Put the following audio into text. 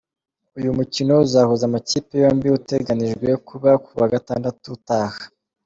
Uyu mukino uzahuza amakipe yombi uteganyijwe kuba ku wa Gatandatu utaha.